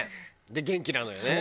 で元気なのよね。